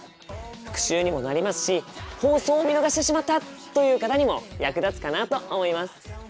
復習にもなりますし放送を見逃してしまったという方にも役立つかなと思います。